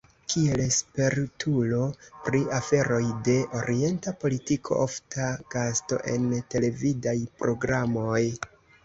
Kiel spertulo pri aferoj de orienta politiko ofta gasto en televidaj programoj.